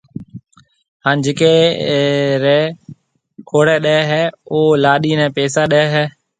ھان جڪيَ رَي کوڙَي ڏَي ھيََََ او لاڏِي نيَ پيسا ڏَي ھيََََ